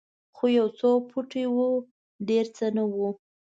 خو یو څو پوټي وو ډېر څه نه وو.